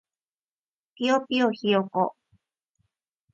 ぴよぴよひよこ